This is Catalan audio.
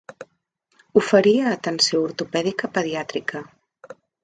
Oferia atenció ortopèdica pediàtrica.